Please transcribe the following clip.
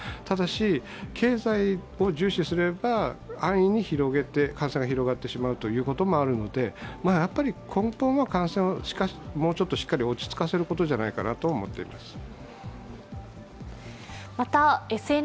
ただ経済を重視すれば安易に広げて、感染が広がってしまうこともあるので根本は感染をもうちょっとしっかり落ち着かせることじゃないかなと思っています。